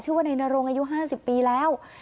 ชื่อว่าในนโรงอายุ๕๐ปีแล้ว